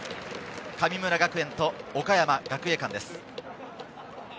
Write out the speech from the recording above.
神村学園と岡山学芸館です。